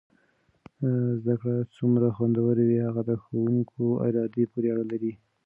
زده کړه څومره خوندور وي هغه د ښو کوونکو ارادې پورې اړه لري.